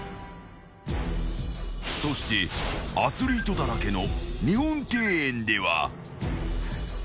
［そしてアスリートだらけの日本庭園では］